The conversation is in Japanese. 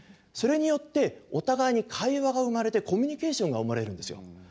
それによってお互いに会話が生まれてコミュニケーションが生まれるんですよ。